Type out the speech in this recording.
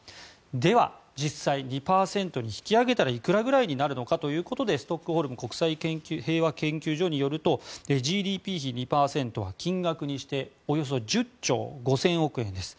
では、実際２％に引き上げたらいくらぐらいになるのかということでストックホルム国際平和研究所によるとＧＤＰ比２％は、金額にしておよそ１０兆５０００億円です。